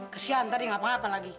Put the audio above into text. kesian nanti gak pengen ngapain lagi